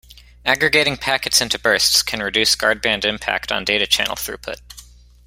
Aggregating packets into bursts can reduce guardband impact on data channel throughput.